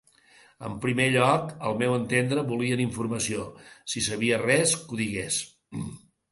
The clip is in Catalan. En primer lloc, al meu entendre, volien informació: si sabia res, que ho digués.